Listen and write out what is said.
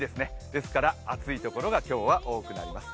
ですから暑いところが今日は多くなります。